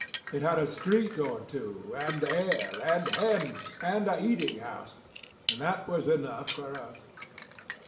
It had a street or two, and air, and hens, and a eating house; and that was enough for us.